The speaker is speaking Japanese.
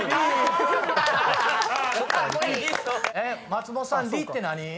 松本さん「リ」って何？